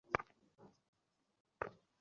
যখন পছন্দই করে না, বিরক্ত করিস কেন এত?